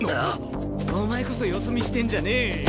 お前こそよそ見してんじゃねえよ！